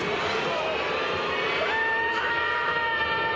うわ！